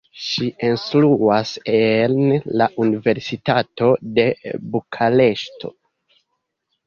Ŝi instruas en la Universitato de Bukareŝto.